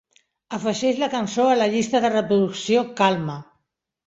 Afegeix la cançó a la llista de reproducció Calma.